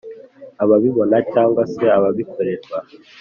ababibona cyangwa se ababikorerwa.